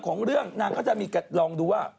ของเรื่องนางก็จะมีลองดูว่า